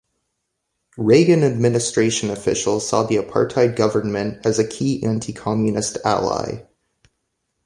Reagan administration officials saw the apartheid government as a key anti-communist ally.